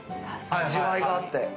味わいがあって。